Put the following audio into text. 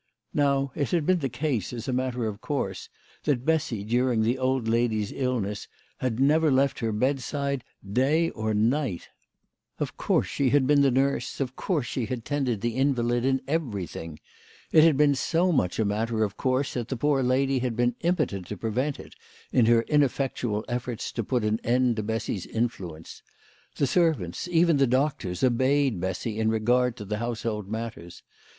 Now, it had been the case, as a matter of course, that Bessy, during the old lady's illness, had never left her bedside day or night. Of course she had been the 126 THE LADY OF LAWAY. nurse, of course she had tended the invalid in every thing. It had been so much a matter of course that the poor lady had been impotent to prevent it, in her ineffectual efforts to put an end to Bessy's influence. The servants, even the doctors, obeyed Bessy in regard to the household matters.